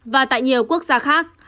và tại nhiều quốc gia khác